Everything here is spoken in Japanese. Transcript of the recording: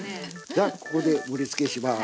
じゃここで盛りつけします。